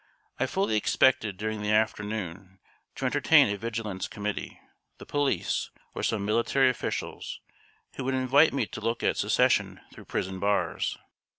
I fully expected during the afternoon to entertain a vigilance committee, the police, or some military officials who would invite me to look at Secession through prison bars.